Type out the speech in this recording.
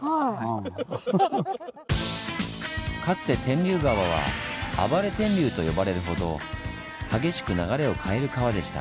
かつて天竜川は「暴れ天竜」と呼ばれるほど激しく流れを変える川でした。